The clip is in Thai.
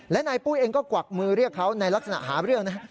และนายปุ้ยเองก็กวักมือเรียกเขาในลักษณะหาเรื่องนะ